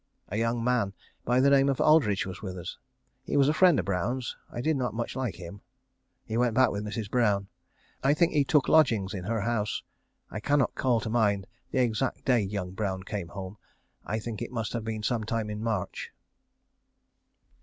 A young man by the name of Aldridge was with us. He was a friend of Brown's. I did not much like him. He went back with Mrs. Brown. I think he took lodgings in her house. I cannot call to mind the exact day young Brown came home. I think it must have been some time in March.